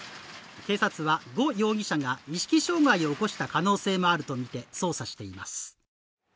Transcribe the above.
警察は呉容疑者が意識障害を起こした可能性もあるとみて捜査しています。